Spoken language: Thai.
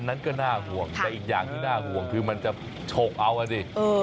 อีกอย่างที่น่าห่วงคือมันจะโฉกเอาอ่ะดิ